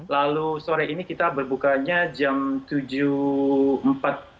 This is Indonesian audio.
lalu sore ini kita berbukanya jam tujuh empat puluh